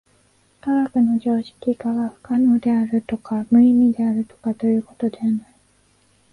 科学の常識化が不可能であるとか無意味であるとかということではない。